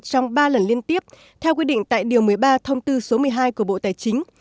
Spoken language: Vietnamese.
trong ba lần liên tiếp theo quy định tại điều một mươi ba thông tư số một mươi hai của bộ tài chính